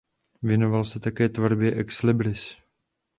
Věnoval se také tvorbě ex libris.